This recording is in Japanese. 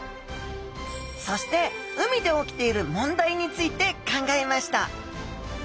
そして海で起きている問題について考えました。